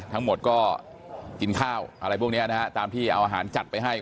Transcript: ทั้งหมดก็กินข้าวอะไรพวกนี้นะฮะตามที่เอาอาหารจัดไปให้